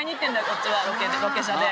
こっちはロケ車で。